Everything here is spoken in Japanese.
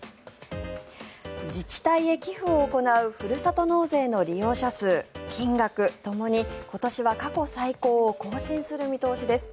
自治体へ寄付を行うふるさと納税の利用者数、金額ともに今年は過去最高を更新する見通しです。